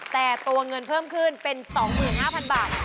แต่ตัวเงินเพิ่มขึ้นเป็น๒๕๐๐๐บาท